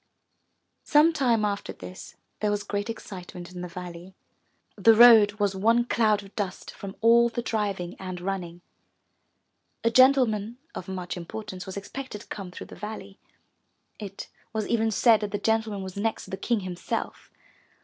Some time after this there was great excitement in the valley. The road was one cloud of dust, from 400 UP ONE PAIR OF STAIRS all the driving and running. A gentleman of much importance was expected to come through the valley. It was even said that the gentleman was next to the King himself.